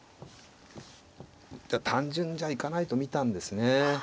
単純じゃいかないと見たんですね。